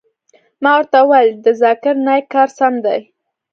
ما ورته وويل د ذاکر نايک کار سم خو دى.